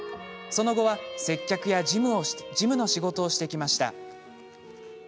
その後は、接客や事務の仕事をしてきました。